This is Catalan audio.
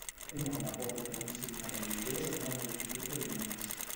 Un home porta un signe religiós en una multitud de vianants